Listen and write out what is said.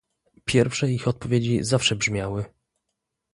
Pierwsze ich odpowiedzi zawsze brzmiały